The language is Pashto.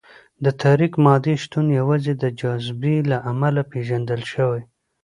د تاریک مادې شتون یوازې د جاذبې له امله پېژندل شوی.